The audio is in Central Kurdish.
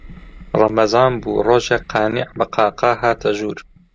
ڕەمەزان بوو، ڕۆژێک قانیع بە قاقا هاتە ژوور